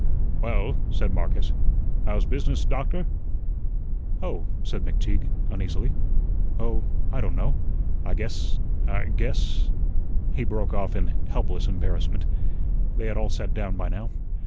"Well," said Marcus, "how's business, Doctor?" "Oh," said McTeague, uneasily, "oh, I don' know. I guess I guess," he broke off in helpless embarrassment. They had all sat down by now.